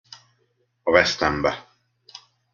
A vesztembe!